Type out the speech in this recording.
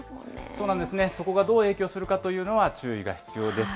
そうなんですね、そこがどう影響するかというのは注意が必要です。